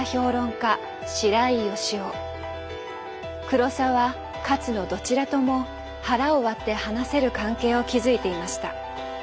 黒澤勝のどちらとも腹を割って話せる関係を築いていました。